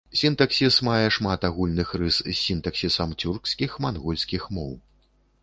Сінтаксіс мае шмат агульных рыс з сінтаксісам цюркскіх, мангольскіх моў.